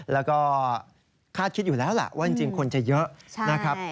แล้วก็คาดคิดอยู่แล้วล่ะว่าจริงคนจะเยอะนะครับ